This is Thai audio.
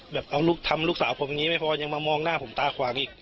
แบบทำลูกสาวผมงี้ไม่พอยังมามองหน้าผมตาขวางอีก